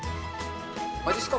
まじっすか